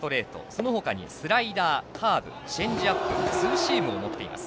その他にスライダー、カーブチェンジアップツーシームを持っています。